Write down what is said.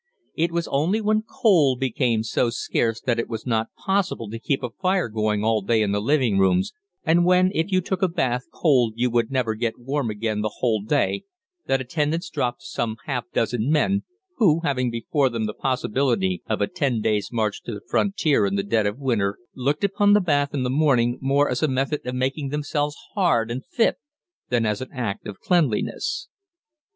It was only when coal became so scarce that it was not possible to keep a fire going all day in the living rooms, and when, if you took a bath cold you would never get warm again the whole day, that attendance dropped to some half dozen men who, having before them the possibility of a ten days' march to the frontier in the dead of winter, looked upon the bath in the morning more as a method of making themselves hard and fit than as an act of cleanliness.